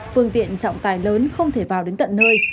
phương tiện trọng tài lớn không thể vào đến tận nơi